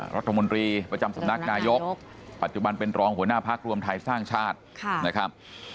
รัฐมนตรีประจำสำนักหน่ายกปัจจุบันเป็นรองหัวหน้าภัครวงธัยสรุรรคมฯ